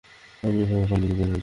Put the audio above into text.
আমি এভাবেই পালিয়ে চলে যাবো।